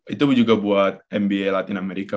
itu juga buat nba latin america